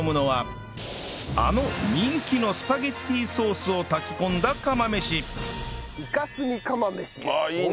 あの人気のスパゲッティソースを炊き込んだ釜飯ああいいね。